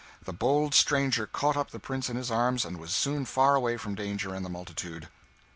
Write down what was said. The bold stranger caught up the Prince in his arms, and was soon far away from danger and the multitude.